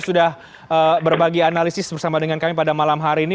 sudah berbagi analisis bersama dengan kami pada malam hari ini